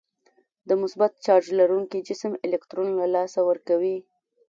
د مثبت چارج لرونکی جسم الکترون له لاسه ورکوي.